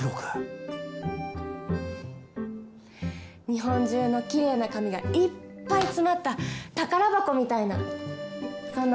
日本中のきれいな紙がいっぱい詰まった宝箱みたいなそんなお店にしたくて。